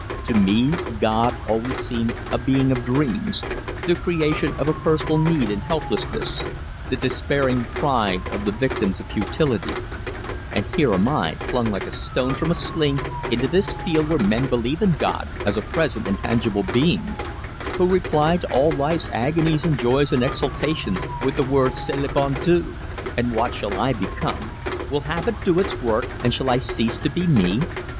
To me God always seemed a being of dreams, the creation of a personal need and helplessness, the despairing cry of the victims of futility And here am I flung like a stone from a sling into this field where men believe in God as a present and tangible being; who reply to all life's agonies and joys and exultations with the words 'C'est le bon Dieu.' And what shall I become? Will habit do its work, and shall I cease to be me?